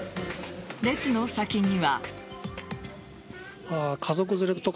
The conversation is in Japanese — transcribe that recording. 列の先には。